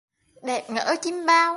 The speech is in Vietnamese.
Đẹp, ngỡ chiêm bao